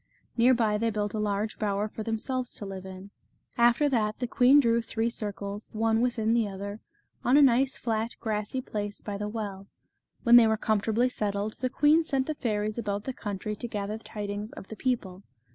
Near by they built a large bower for themselves to live in. After that, the queen drew three circles, one within the other, on a nice flat grassy place by the well. When they were comfortably settled, the queen sent the fairies about the country to gather tidings of the people.